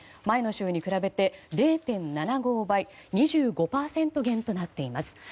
前の週に比べて０．７５倍２５％減となっています。